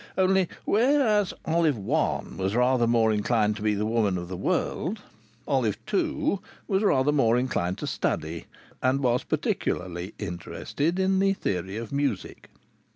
Only, whereas Olive One was rather more inclined to be the woman of the world, Olive Two was rather more inclined to study and was particularly interested in the theory of music.